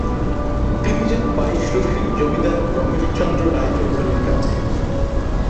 তিনি যান বাইশরশির জমিদার রমেশচন্দ্র রায় চৌধুরীর কাছে।